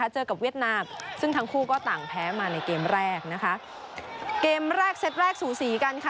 เจอกับเวียดนามซึ่งทั้งคู่ก็ต่างแพ้มาในเกมแรกนะคะเกมแรกเซตแรกสูสีกันค่ะ